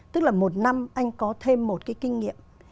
tức là một năm anh có thêm một cái kinh nghiệm